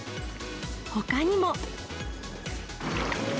ほかにも。